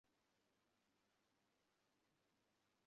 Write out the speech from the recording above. বোধ করি আমি অযোগ্য বলেই ওঁর স্নেহ এত বেশি।